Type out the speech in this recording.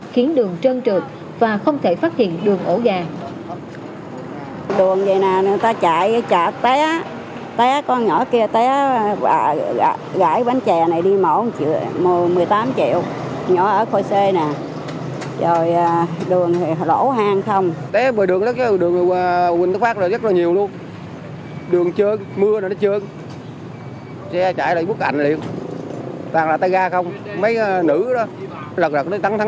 khiến đường trơn trượt và không thể phát hiện đường ổ gà